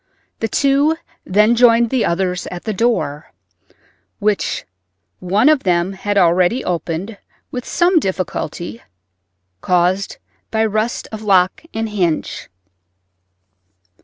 The two then joined the others at the door, which one of them had already opened with some difficulty, caused by rust of lock and hinge.